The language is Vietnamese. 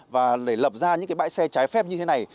và lập ra những bãi xe trái phép như thế này